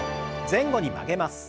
前後に曲げます。